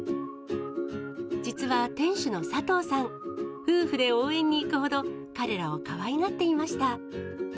実は店主の佐藤さん、夫婦で応援に行くほど、彼らをかわいがっていました。